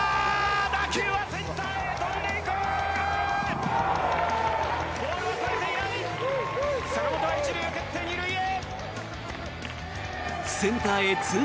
打球はセンターへ飛んでいく！